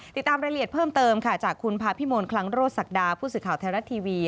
ติดตามรายละเอียดเพิ่มเติมค่ะจากคุณภาพิมลคลังโรศักดาผู้สื่อข่าวไทยรัฐทีวี